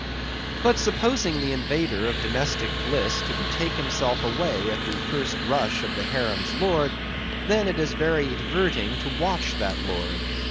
But supposing the invader of domestic bliss to betake himself away at the first rush of the harem's lord, then is it very diverting to watch that lord.